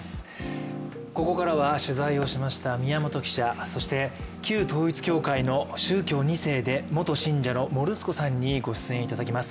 ここからは取材をしました宮本記者、旧統一教会の宗教２世で元信者のもるすこさんにご出演いただきます。